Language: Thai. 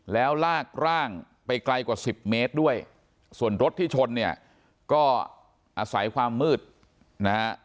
แล้วลากร่างไปไกลกว่า๑๐เมตรด้วยส่วนรถที่ชนเนี่ยก็อาศัยความมืดนะฮะ